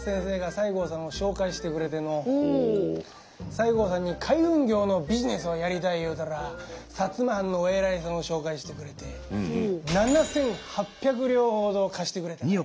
西郷さんに海運業のビジネスをやりたい言うたら摩藩のお偉いさんを紹介してくれて７，８００両ほど貸してくれたがよ。